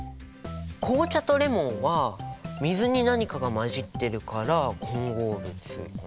紅茶とレモンは水に何かが混じってるから混合物かなあ。